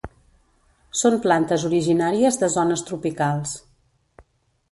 Són plantes originàries de zones tropicals.